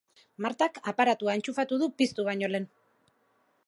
Martak aparatua entxufatu du piztu baino lehen.